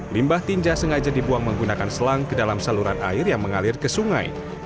limbah tinja sengaja dibuang menggunakan selang ke dalam saluran air yang mengalir ke sungai